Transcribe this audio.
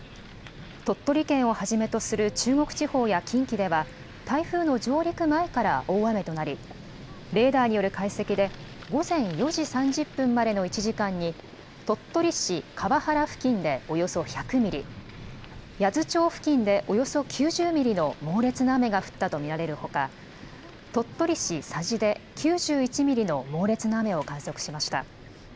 鳥取県をはじめとする中国地方や近畿では、台風の上陸前から大雨となり、レーダーによる解析で、午前４時３０分までの１時間に、鳥取市河原付近でおよそ１００ミリ、八頭町付近でおよそ９０ミリの猛烈な雨が降ったと見られるほか、鳥取市佐治で９１ミリの猛烈な雨を観測しました。